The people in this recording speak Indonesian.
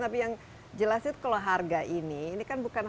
tapi yang jelas itu kalau harga ini